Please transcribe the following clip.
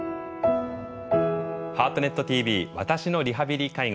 「ハートネットＴＶ私のリハビリ・介護」。